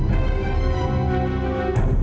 yang sepupu tsarung